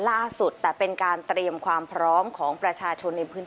ล่าสุดแต่เป็นการเตรียมความพร้อมของประชาชนในพื้นที่